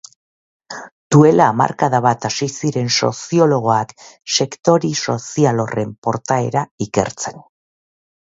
Duela hamarkada bat hasi ziren soziologoak sektori sozial horren portaera ikertzen.